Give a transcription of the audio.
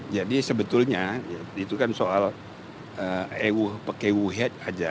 jadi sebetulnya itu kan soal ewu pekewuhej aja